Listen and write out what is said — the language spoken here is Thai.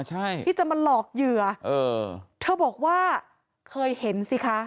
วิธีจะมาหลอกเหยื่อเธอบอกว่าเคยเห็นสิคะ